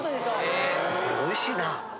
・へぇ・これおいしいな。